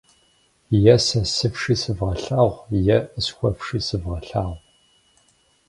Е сэ сыфши сывгъэлъагъу, е къысхуэфши сывгъэлъагъу.